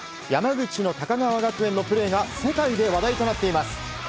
山口の高川学園のプレーが世界で話題となっています。